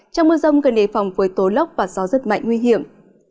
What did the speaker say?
trong mưa rông cần đề phòng với tố lốc và gió rất mạnh nguy hiểm